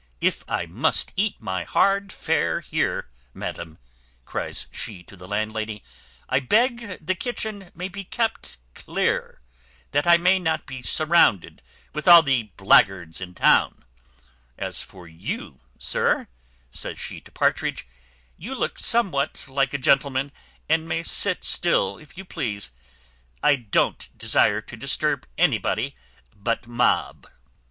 If I must eat my hard fare here, madam," cries she to the landlady, "I beg the kitchen may be kept clear, that I may not be surrounded with all the blackguards in town: as for you, sir," says she to Partridge, "you look somewhat like a gentleman, and may sit still if you please; I don't desire to disturb anybody but mob."